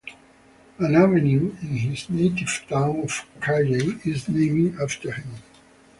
An avenue in his native town of Cayey is named after him.